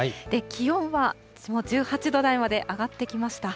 気温はもう１８度台まで上がってきました。